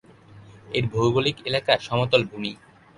এর ভৌগোলিক এলাকা সমতল ভূমি।